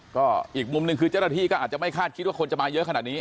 ก็อีกมุมหนึ่งคือเจ้าหน้าที่ก็อาจจะไม่คาดคิดว่าคนจะมาเยอะขนาดนี้